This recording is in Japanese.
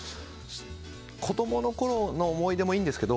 子供のころの思い出もいいんですけど